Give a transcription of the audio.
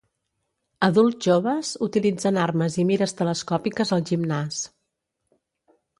Adults joves utilitzen armes i mires telescòpiques al gimnàs.